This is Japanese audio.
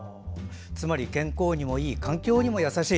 つまり、健康にもいい環境にも優しい。